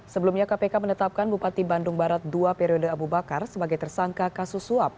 sebelumnya kpk menetapkan bupati bandung barat dua periode abu bakar sebagai tersangka kasus suap